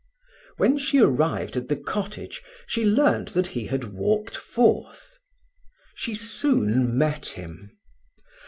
When she arrived at the cottage, she learnt that he had walked forth. She soon met him.